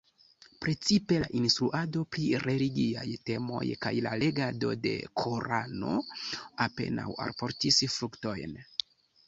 Precipe la instruado pri religiaj temoj kaj la legado de Korano apenaŭ alportis fruktojn.